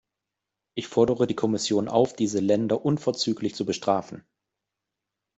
Ich fordere die Kommission auf, diese Länder unverzüglich zu bestrafen.